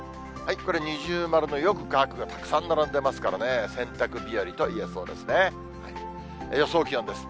これ二重丸のよく乾くがたくさん並んでますからね、洗濯日和といえそうですね。